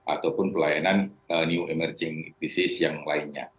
ataupun pelayanan new emerging disease yang lainnya